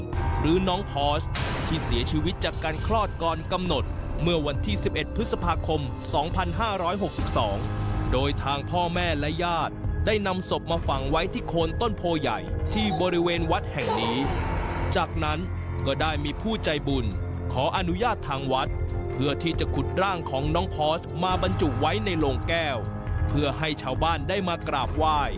หรือน้องพอสที่เสียชีวิตจากการคลอดก่อนกำหนดเมื่อวันที่๑๑พฤษภาคม๒๕๖๒โดยทางพ่อแม่และญาติได้นำศพมาฝังไว้ที่โคนต้นโพใหญ่ที่บริเวณวัดแห่งนี้จากนั้นก็ได้มีผู้ใจบุญขออนุญาตทางวัดเพื่อที่จะขุดร่างของน้องพอสมาบรรจุไว้ในโลงแก้วเพื่อให้ชาวบ้านได้มากราบไหว้